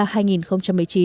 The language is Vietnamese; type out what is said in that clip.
với chương trình la frente